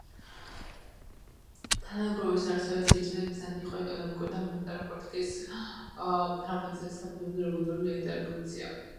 თანამეგობრობის დაარსების ძირითადი მიზანი იყო ეკონომიკური და მონეტარული პოლიტიკის ჰარმონიზაციის საფუძველზე რეგიონალური ინტეგრაცია.